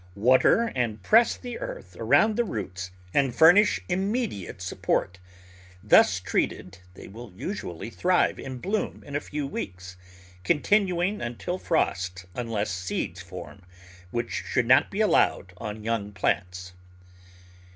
Water and press the earth around the roots and furnish im mediate support. Thus treated they will usually thrive and bloom in a few weeks, continuing until frost unless seeds form, which should not be allowed on young plants.